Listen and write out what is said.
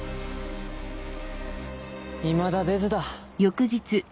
いまだ出ずだ。